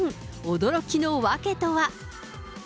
驚きの訳とは。